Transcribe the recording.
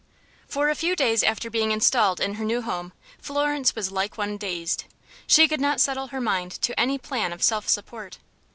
For a few days after being installed in her new home Florence was like one dazed. She could not settle her mind to any plan of self support.